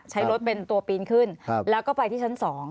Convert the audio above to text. ใช้รถเป็นตัวปีนขึ้นแล้วก็ไปที่ชั้น๒